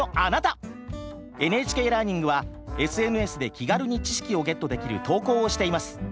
「ＮＨＫラーニング」はＳＮＳで気軽に知識をゲットできる投稿をしています。